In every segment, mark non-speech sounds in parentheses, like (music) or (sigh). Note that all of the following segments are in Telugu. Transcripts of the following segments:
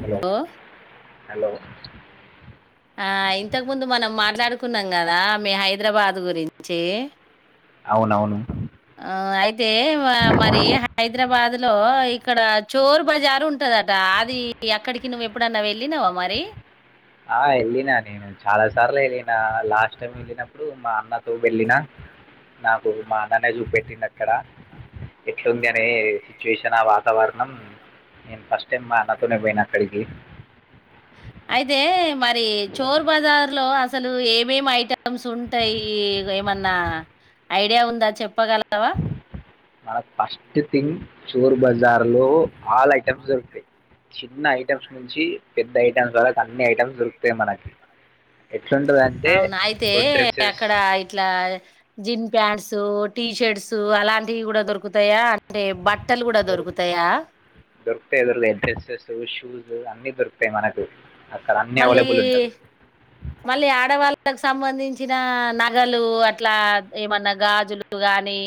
హలో ఓ హలో ఆ ఇంతకు ముందు మనం మాట్లాడుకున్నాం కదా మీ హైదరాబాద్ గురించి అవునవును ఆ అయితే మరి హైదరాబాద్ హలో ఇక్కడ చోరు బజారు ఉంటదట అది ఎక్కడికి నువ్వు ఎప్పుడన్నా వెళ్ళినవా మరి ఆ వెళ్ళినా నేను చాలా సార్లు వెళ్ళిన నా లాస్ట్ టైం వెళ్ళినప్పుడు మా అన్నతో వెళ్ళిన నాకు మా నాన్న చూపెట్టింది అక్కడ ఎట్లుంది అనే సిచ్యువేషన్ ఆ వా తవరణం నేను ఫస్ట్ టైమ్ మా అన్నతోనే పోయినా అక్కడికి అయితే మరి చోర్ బజార్ లో అసలు ఏమేమి ఐటమ్స్ ఉంటాయి ఏమన్నా ఐడియా ఉందా చెప్పగలవా మన ఫస్ట్ థింగ్ చోర్ బజార్ లో ఆల్ ఐటెమ్స్ దొరుకుతాయ్ చిన్న ఐటమ్స్ నుంచి పెద్ద ఐటమ్స్ వరకు అన్ని ఐటమ్స్ దొరుకుతాయి మనకి ఎట్లుంటుందంటే అవునా అయితే ఇప్పుడు డ్రెస్సెస్ అక్కడ ఇట్లా జీన్ ప్యాంట్ సు టీషర్ట్స్ అలాంటివి కూడా దొరుకుతాయా అంటే బట్టలు కూడా దొరుకు దొరుకుతాయా దొరుకుతాయి దొరుకుతాయి డ్రెస్సెస్ షూస్ అన్నిీ దొరుకుతాయి మనకు అక్కడ అన్నీ మళ్ళీ అవైలబుల్ ఉంటుంది మళ్ళీ ఆడవాళ్ళ కు సంబంధించిన నగలు అట్లా ఏమన్నా గాజులు గానీ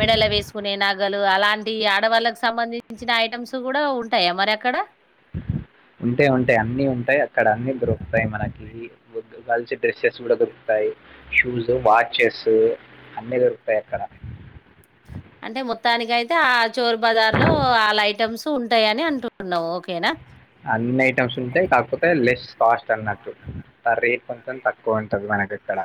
మెడల్ లో వేసుకునే నగలు అలాంటి ఆడవాళ్ళకి సంబంధించిన ఐటమ్స్ కూడా ఉంటాయా మరి అక్కడ ఉంటే ఉంటాయి అన్నిీ ఉంటాయి అక్కడ అన్ని దొకుతాయి మనకి గర్ల్స్ డ్రెస్సెస్ కూడా దొరుకుతాయి షూస్ వాచెస్ అన్నీ దొరుకుతాయ్ అక్కడ అంటే మొత్తానికి అయితే ఆ చోరు బజార్ లో వాళ్ళ ఐటెమ్స్ ఉంటాయి అని అంటుంటున్నావు ఓకేనా అన్ని ఐటమ్స్ ఉంటాయ్ కాకపోతే లెస్ కాస్ట్ అన్నట్టు ఆ రేట్ కొంచెం తక్కువ ఉంటది మనకి ఇక్కడ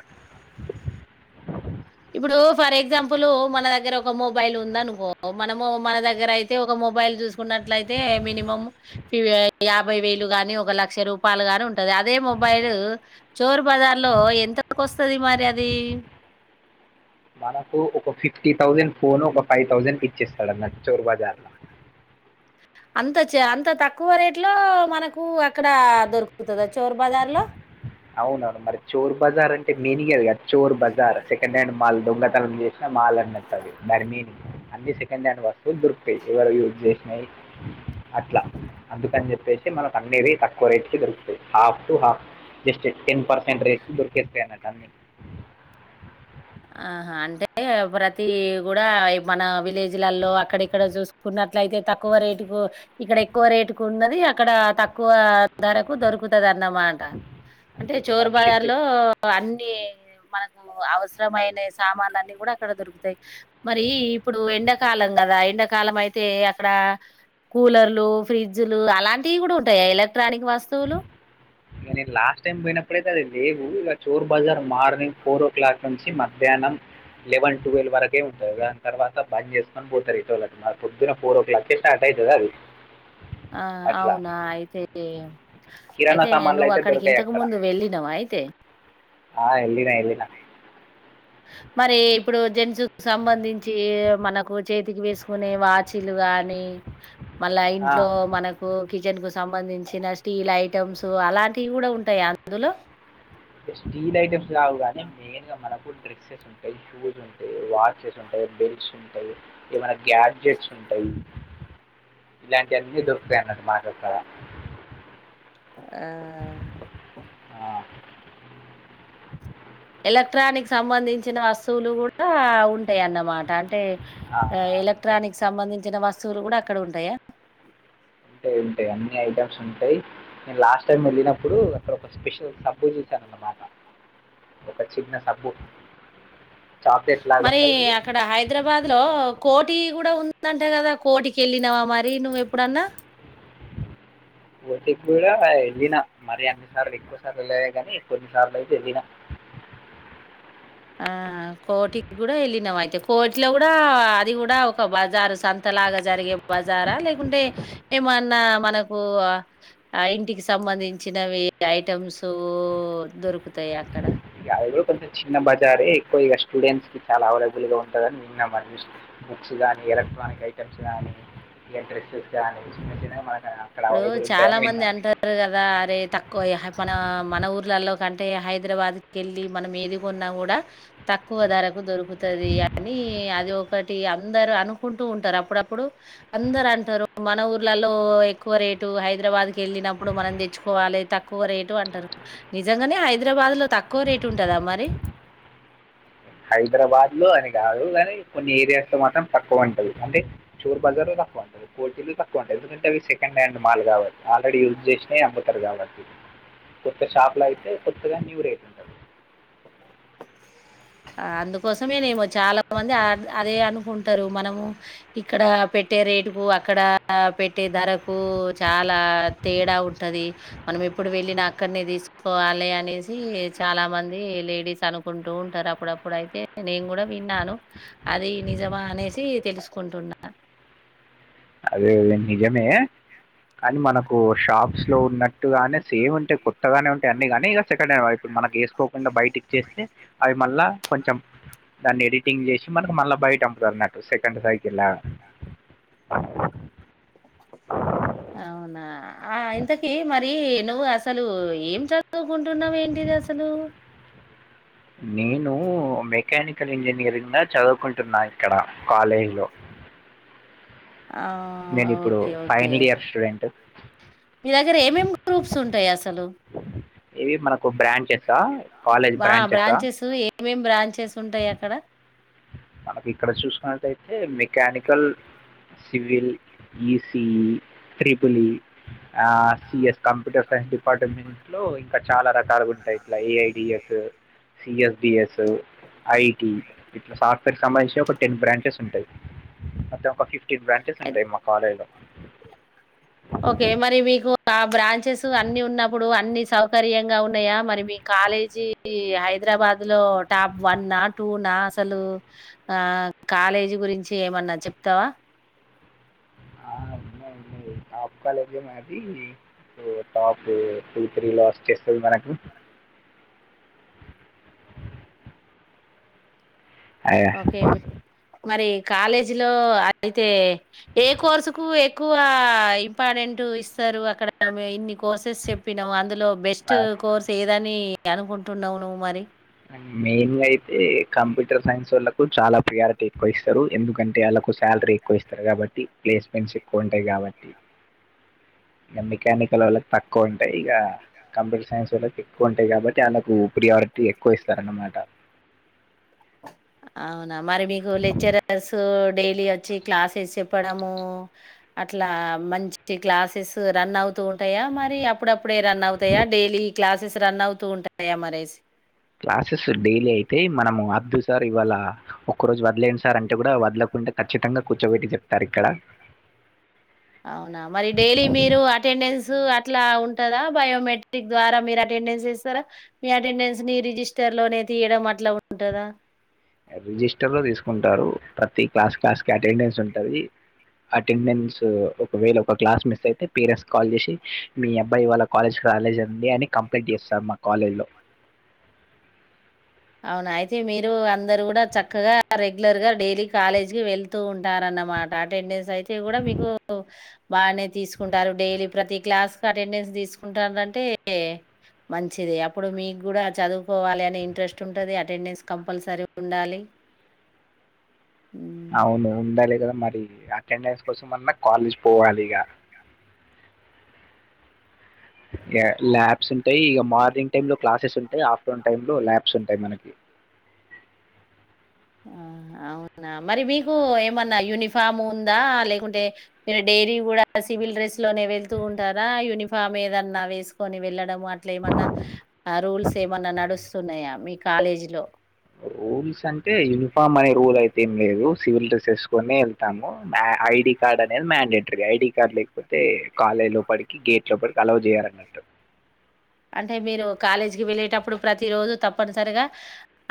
ఇప్పుడు ఫర్ ఎగ్జాంపుల్ మన దగ్గర ఒక మొబైల్ ఉంద అనుకో మనము మన దగ్గర అయితే ఒక మో మొబైల్ చూసుకున్నట్లయితే మినిమం యాభై వేలు గాని ఒక లక్ష రూపాయలు గాని ఉంటది అదే మొబైల్ చోరు బజార్ లో ఎంతకు వస్తది మరి అది మనకు ఒక ఫిఫ్టీ థౌజండ్ ఫోన్ ఒక ఫైవ్ థౌసండ్ ఇచ్చేస్తాడు అన్నట్టు చోరు బజార్ లో అంత చే అంత తక్కువ రేట్ లో మనకు అక్కడ దొరుకుతదా చోరు బజార్ లో అవున అవును మరి చోర్ బజార్ అంటే మీనింగ్ అది కదా చోర్ బజార్ సెకండ్ హ్యాండ్ మాల్ దొంగ ద్ తనం చేసిన మాల్ అన్నట్టు అది దాని మీనింగ్ అన్ని సెకండ్ హ్యాండ్ వస్తువులు దొర్కుతాయి ఎవరు యూజ్ చేసినాయి అట్లా అందుకని చెప్పేసి మనకు అమ్మేది తక్కువ రేట్కి దొరుకుతుంది half to half just ten percent రేట్కూ దొర్కేస్తయ్ అన్నట్టు అన్ని ఆహా అంటే ప్రతి కూడా మన విలేజ్లలో అక్కడక్కడ చూసుకున్న అట్లాలయితే తక్కువ రేటు కు ఇక్కడ ఎక్కువ రేటు కు ఉన్నది అక్కడ తక్కువ ధరకు దొరుకుతది అనమాట అంటే ఇప్పుడు చోరు మనం బజార్ షర్ట్ ఇక లో అన్ని మనకు అవస మైన సామాన్లు అన్నిీ కూడా అక్కడ దొరుకుతాయి మరి ఇప్పుడు ఎండాకాలం కదా ఎండకాలం అయితే ఏ అక్కడ కూలర్లు ఫ్రిడ్జ్లు అలాంటివి కూడా ఉంటాయా ఎలక్ట్రానిక్ వస్తువులు ఇ నేను లాస్ట్ టైం పోయినప్పుడుైతే అది లేవు ఇక Chor Bazaar morning four o'clock నుంచి మధ్యాహ్నం మనం లెవెన్ ట్వల్వరకే ఉంటది లెవెన్ తర్వాత బంద్ చేసుకొని పోతారు ఎటోళ్లు అట మల్ పొద్దున ఫోర్ ఓ క్లాకే స్టార్ట్ అయ్ దా అది ఆ అట్లా. అవునా అయితే కిరాణా అయితే సామాన్లు నువ్వు అయితే అక్కడికి దొరకాయి ఇంతకు అక్కడ ముందు వెళ్ళినవా అయితే ఆ ఎల్లినా ఎల్లినా మరి ఇప్పుడు జెర్జ్ సంబంధించి మనకు చేతికి వేసుకునే వాచిలు గాని మళ్ళా ఆ, ఇంట్లో మనకు కిచెన్ కు సంబంధించిన స్టీల్ ఐటమ్స్ అలాంటివి కూడా ఉంటాయ అందులో స్టీల్ ఐటమ్స్ కావు గాని మెయిన్ గా మనకు డ్రెస్సెస్ ఉంటాయి, షూస్ ఉంటాయి, వాచెస్ ఉంటాయి. బెల్స్ ఉంటాయి, ఏమైనా గ్యాడ్జెట్స్ ఉంటాయి. ఇలాంటి అన్ని దొరుకుతాయి అన్నట్టు మా దగ్గర ఆ. ఎలక్ట్రానిక్ సంబంధించిన వస్తువులు కూడా ఉంటాయన్నమాట అంటే ఆ ఉంటాయి ఎలక్ట్రానిక్ సంబంధించిన వస్తువులు కూడా అక్కడ ఉంటాయా! ఉంటాయి ఉంటాయి అన్ని ఐటమ్స్ ఉంటాయి. నేను లాస్ట్ టైం వెళ్ళినప్పుడు అక్కడ ఒక స్పెషల్ సబ్బు చూ సినాన్నమాట ఒక చిన్న సబ్బు చాక్లెట్ లాగా మరి ఉంటుంది అక్కడ హైదరాబాద్ లో కోట్ కోటి కూడా ఉందంటకాదా కోటికి ఎళ్ళినావా మరి నువ్వు ఎప్పుడన్నా కోటి కూడా ఎళ్ళిన మరి సార్లు ఎక్కువసార్లు వెళ్ళలే కానీ కొన్నిసార్లు అయితే ఎళ్ళినా ఆ హ కోటి కూడా వెళ్లినవా అయితే కోటిలో కూడా అది కూడా ఒక బజారు సంత లాగా జరిగే బజారా లేకుంటే ఏమన్నా మనకు ఇంటికి సంబంధ సంబంధించినవి ఐటమ్స్ సు దొరుకుతాయి అక్కడ ఇక అవి కూడా కొంచెం చిన్న బజారే ఎక్కువ ఇగా స్టూడెంట్స్ కి చాలా అవైబుల్ గా ఉంటుందని విన్న బుక్స్ గానీ ఎలక్ట్రానిక్ ఐటెమ్స్ గానీ ఇ డ్రెస్సెస్ గానీ చిన్న చిన్న మనక్ ఇప్పుడు చాలా మంది అంటారు కదా అరే తక్కువ హై మన మన ఊర్లల్లో అంటే హైదరాబాద్ కి ఎళ్ళి మనం ఎదిగొన్న కూడా తక్కువ ధరకు దొరుకు తది అని అది ఒకటి అందరు అనుకుంటూ ఉంటారు అప్పుడప్పుడు అందరు అంటారు మన ఊర్లల్లో ఎక్ క్కువ రేటు హైదరాబాద్ కి వెళ్ళినప్పుడు మనం తెచ్చుకోవాలి తక్కువ రేటు అంటారు, నిజంగానే హైదరాబా బాద్ తక్కువ రేటు ఉంటదా మరి! హైదరాబాద్ లో అది కాదు కానీ కొన్ని ఏరియాస్ లో మాత్రం తక్కువ ఉంటాది అంటే చోరు బజార్ లో తక్కువ ఉంటాది కోటిలో తక్కువ ఉంటాయి ఎందుకంటే అవి సెకండ్ హ్యాండ్ మాలు కావట్టి ఆల్రెడీ యూజ్ చేసినవి అమ్ముతారు కాబట్టి కొత్త షాపులాయితే కొత్తగా న్యూ రేట్ ఉంటాది (inaudible) అందుకోసమేనేమో చాలా మంది అ అదే అనుకుంటారు మనము ఇక్కడ పెట్టే రేటు కు అక్కడ పెట్టే ధరకు చాలా తేడా ఉంటాది మనము ఎ ప్పుడు వెళ్ళిన అక్కడిని తీసుకోవాలి అనేసి చాలా మంది లేడీస్ అనుకుంటూ ఉంటారు అప్పుడప్పుడు అయితే నేను కూడా విన్నాను అది నిజమా అనేసి తెలుసుకు కొంటున్న అది నిజమే కానీ మనకు షాప్స్ లో ఉన్నట్టుగానే సేమ్ ఉంటాయి కొత్తగానే ఉంటాయి అన్నిగాని ఇగా సెకండ్ హ్యాండ్ వైపు మనకి వేసుకోకుండా బయట ఇచ్చేస్తే అవి మళ్ళ కొంచెం దాన్ని ఎడిటింగ్ చేసి మనకి మళ్ళా బయట అమ్ముతారు అన్నమాట సెకండ్ సైకిలా అ (inaudible) అవునా.. ! ఆ ఇంతకీ మరి నువ్వు అసలు ఏం చదువుకుంటున్నావు ఏంటిది అసలు నేను మెకానికల్ ఇంజినీరింగ్లా చదువుకుంటున్నా ఇక్కడ కాలేజీ లో ఆ okay okay final year student. మీ ర ఏమేం గ్రూప్స్ ఉంటాయి అసలు. ఎవి మనకు బ్రాంచెసా! కాలేజ్ బా బ్రాంచెసా! బ్రాంచెస్ ఏమేం బ్రాంచెస్ ఉంటాయి. అక్కడ మనకి ఇక్కడ చుసినట్టుయితే mechanical civil, ECE, triple E, ఆ, సిఎస్ కంప్యూటర్ సైన్స్ డిపార్ట్మెంట్ లో ఇంకా చాలా రకాలుగా ఉంటాయి ఇట్లా ఏఐడిఎస్ సిఎస్బిఎస్ ఐటి ఇట్లా సాఫ సంబంధించి ఒక టెన్ బ్రాంచెస్ ఉంటాయి అంతే ఒక ఫిఫ్టీన్ బ్రాంచెస్ ఉంటాయి మా కాలేజీలో ఓకే మరి మీకు ఆ బ్రాంచెస్ అన్ని ఉన్నప్పుడు అన్ని సౌకర్యంగా ఉన్నాయా మరి మీకు కాలేజీ హైదరాబాద్ లో టాప్ వన్ నా టూ నా అసలు ఆ కాలేజీ గురించి ఏమన్నా చెప్తావా ఆ కాలేజ్ మనది (inaudible) టాప్ పల్ టూ త్రీ లాస్ట్ చేస్తుంది మనకు (unintelligible) అ ఓకే మరి కాలేజీ లో అ అయితే ఏ కోర్సు కు ఎక్కువ ఇంపార్టెంట్ ఇస్త అక్కడ ఇన్ని కోర్సెస్ చెప్పినావు అందులో బెస్ట్ కోర్స్ ఏదని అనుకుంటున్నావు నువ్వు మరి మెయిన్ గా అయితే కంప్యూటర్ సైన్స్ వాళ్ళకు చాలా ప్రయారిటీ ఎక్కువ ఇస్తారు ఎందుకంటే వాళ్ళ స ఎక్కువ ఇస్తారు కాబట్టి ప్లేస్మెంట్స్ ఎక్కువ ఉంటాయి కాబట్టి ఇ మెకానికల్ వాళ్ళకి తక్కువ ఉంటాయి ఇక కంప్యూటర్ సైన్స్ వాళ్ళకి ఎక్కువ ఉంటాయి కాబట్టి ఆనకు ప్రయారిటీ ఎక్కువ ఇస్తర అనమాట అవునా మరి మీకు లెక్చరర్స్ డైలీ వచ్చి క్లాసెస్ చెప్పడము అట్లా మంచి క్లాసెస్ రన్ అవు ఉంటాయా మరి అప్పుడప్పుడే రన్ అవుతాయా డైలీ క్లాసెస్ రన్ అవుతూ ఉంటాయా మరి క్లాసెస్ డైలీ అయితే మనము ఇద్దు సార్ ఇవాళ ఒక్క రోజు వదిలేను సార్ అంటే కూడా వదలకుంటే ఖచ్చితంగా కూర్చోబెట్టి చెప్తారు ఇక్కడ అవునా మరి డైలీ మీరు అటెండెన్స్ అట్లా ఉంటందా బయోమెట్రిక్ ద్వారా మీరు అటెండెన్స్ ఇస్తారా మీ అటెండెన్స్ ని రిజిస్టర్ లోనే తీయడం అట్లా ఉంటందా రిజిస్టర్ లో తీసుకుంటారు ప్రతి క్లాస్ క్లాస్ కి అటెండెన్స్ ఉంటుంది అటెండెన్స్ ఒకవేళ ఒక క్లాస్ మిస్ అయితే పేరెంట్స్ కాల్ చేసి మీ అబ్బాయి వాళ్ళ కాలేజ్ కాలేజ్ అంది అని కంప్లీట్ చేస్తారు మా కాలేజ్ లో అవునా అయితే మీరు అందరు కూడా చక్కగా రెగ్యులర్ గా డైలీ కాలేజీ కి వెళ్తూ ఉంటారన్న అన మాట అటెండెన్స్ అయితే కూడా మీకు బాగానే తీసుకుంటారు డైలీ ప్రతి క్లాస్ క అటెండెన్స్ తీసుకుంటారంటే మంచిది అప్పుడు మీకు కూడా చదువుకోవాలి అనే ఇంట్రెస్ట్ ఉంటది అటెండెన్స్ కంపల్సరీ ఉండాలి హ్మ్. అవును ఉండాలి కదా మరి అటెండెన్స్ కోసం అన్నా కాలేజ్ పోవాలి ఇక ఇ ల్యాబ్స్ ఉంటాయి ఇక మార్నింగ్ టైమ్ లో క్లాసెస్ ఉంటాయి ఆఫ్టర్నూన్ టై లో ల్యాబ్స్ ఉంటాయి మనకి ఆ అవున మరి మీకు ఏమన్నా యూనిఫామ్ ఉందా లేకుంటే మీ డైరీ కూడా సివిల్ డ్రెస్ లో పెడుతూ ఉంటారా యూనిఫామ్ ఏదన్నా వేసుకొని వెళ్ళడం అట్లా ఏమన్నా రూల్స్ ఏ ఏమన్నా నడుస్తున్నాయా మీ కాలేజీ లో రూల్స్ అంటే యూనిఫామ్ అనే రూల్ అయితే ఏం లేదు సివిల్ డ్రెస్ వేసుకొనే వెళ్తాము ఐడి క అనేది మ్యాండేటర ఐడి కార్డ్ లేకపోతే కాలేజ్ లో పడికి గేట్ లో పడికి అల్లో చేయన్నట్టు అంటే మీరు కాలేజీకిి వెళ్ళేటప్పుడు ప్రతి రోజు తప్పనిసరిగా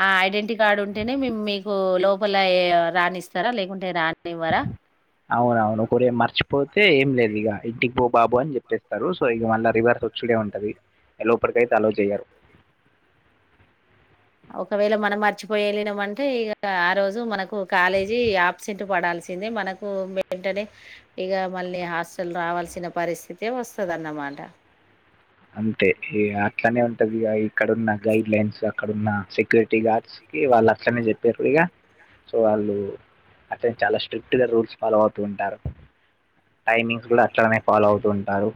ఆ ఐడెంటి కార్డు ఉంటేనే మీకు లోపల రానిస్తారా లేకుంటే రాని అవునువును ఒక మార్చ పోతే ఏం లేదు ఇక ఇంటికి పో బాబు అని చెప్పేస్తారు సో ఇక మళ్ళా రివర్స్ వచ్చుడే ఉంటది లోపలకి అయితే అలో చెయ్యాలి ఒకవేళ మనం మర్చిపోయి వెళ్ళినం అంటే ఇక ఆ రోజు మనకు కాలేజీ ఆబ్సెంట్ పడాల్సిందే మనకు వెంటనే ఇక మళ్ళీ హాస్టల్ రావాల్సిన పరిస్థితే వస్తుదన్నమాట అంతే అట్లానే ఉంటది ఇక్కడన్న గైడ్ లైన్స్ అక్కడన్న సెక్యూరిటీ గార్డ్స్ కి వాళ్ళు అట్లనే చెప్పారు ఇక సో వాళ్ళు అంటే చాలా స్ట్రిక్ట్ గా రూల్స్ ఫాలో అవుతూ ఉంటారు టైమింగ్స్ కూడా అచ్చడమే ఫాలో అవుతూ ఉంటారు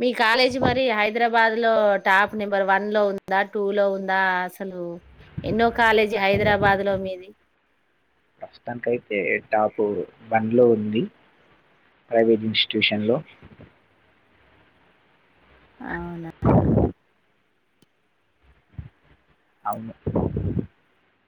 మీ కాలేజీ మరి హైదరాబాద్ లో టాప్ నెంబర్ వన్ లో ఉందా టూ లో ఉందా అసలు ఎన్నో కాలేజీ హైదరాబాద్ లో మీది ప్రస్తుతానికి అయితే టాపు వన్ లో ఉంది ప్రైవేట్ ఇన్స్టిట్యూషన్ లో అవునా అవును